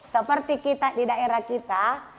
berasaran tinggi di daerah kita